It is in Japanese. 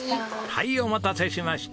はいお待たせしました。